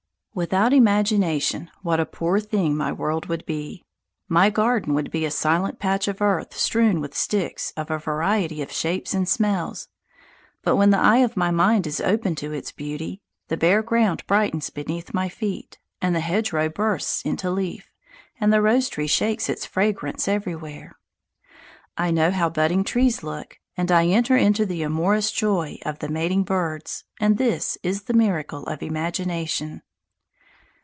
Without imagination what a poor thing my world would be! My garden would be a silent patch of earth strewn with sticks of a variety of shapes and smells. But when the eye of my mind is opened to its beauty, the bare ground brightens beneath my feet, and the hedge row bursts into leaf, and the rose tree shakes its fragrance everywhere. I know how budding trees look, and I enter into the amorous joy of the mating birds, and this is the miracle of imagination.